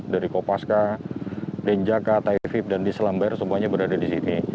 dari kopaska denjaka taifib dan di selamber semuanya berada di sini